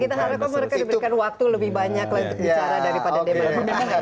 kita harapkan mereka memberikan waktu lebih banyak bicara daripada demokrasi